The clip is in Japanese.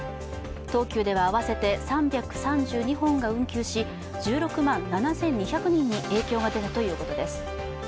東急では合わせて３３２本が運休し１６万７２００人に影響が出たということです。